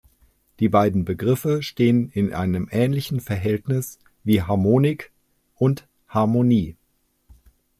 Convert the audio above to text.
Die beiden Begriffe stehen in einem ähnlichen Verhältnis wie "Harmonik" und "Harmonie".